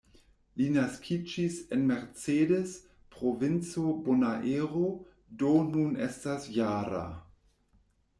Li naskiĝis en "Mercedes", provinco Bonaero, do nun estas -jara.